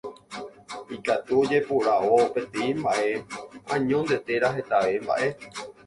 Ikatu ojeporavo peteĩ mbaʼe añónte térã hetave mbaʼe.